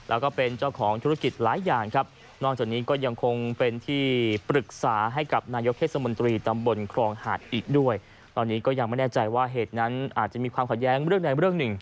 อาจจะมีความขัดแย้งในเรื่องหนึ่ง